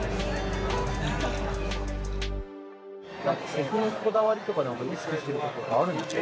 食のこだわりとかなんか意識してる事とかあるんですか？